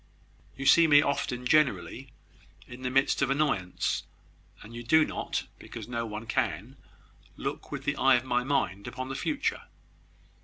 You see me often, generally, in the midst of annoyance, and you do not (because no one can) look with the eye of my mind upon the future.